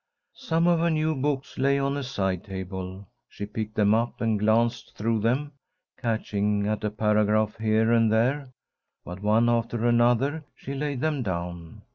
Some of her new books lay on a side table. She picked them up and glanced through them, catching at a paragraph here and there. But one after another she laid them down.